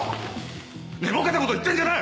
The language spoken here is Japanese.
寝ぼけたこと言ってんじゃない！